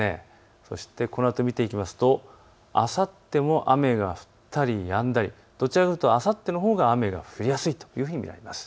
そしてこのあと見ていきますとあさっても雨が降ったりやんだりどちらかというとあさってのほうが雨が降りやすいというふうに見られます。